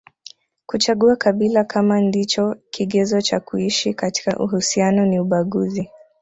Kuchagua kabila kama ndicho kigezo cha kuishi katika uhusiano ni ubaguzi